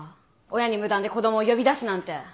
親に無断で子供を呼び出すなんて。